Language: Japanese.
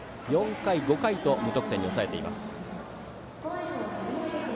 ４回、５回と無得点に抑えています。